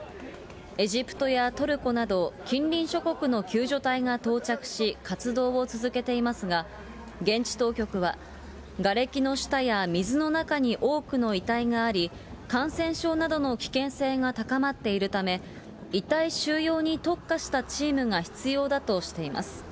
エジプトやトルコなど、近隣諸国の救助隊が到着し、活動を続けていますが、現地当局は、がれきの下や水の中に多くの遺体があり、感染症などの危険性が高まっているため、遺体収容に特化したチームが必要だとしています。